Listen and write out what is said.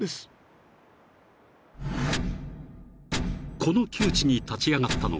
［この窮地に立ち上がったのが］